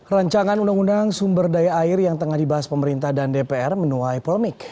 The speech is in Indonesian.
rancangan undang undang sumber daya air yang tengah dibahas pemerintah dan dpr menuai polemik